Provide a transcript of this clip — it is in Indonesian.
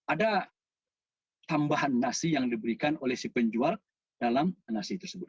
ada tambahan nasi yang diberikan oleh si penjual dalam nasi tersebut